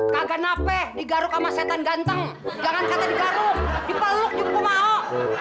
kagak nafek digaruk sama setan ganteng jangan kata digaruk dipeluk juga mau